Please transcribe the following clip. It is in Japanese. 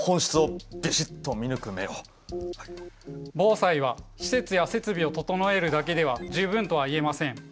防災は施設や設備を整えるだけでは十分とは言えません。